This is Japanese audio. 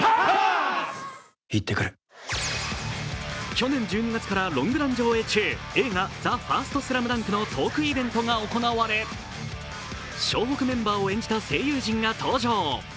去年１２月からロングラン上映中、映画「ＴＨＥＦＩＲＳＴＳＬＡＭＤＵＮＫ」のトークイベントが行われ湘北メンバーを演じた声優陣が登場。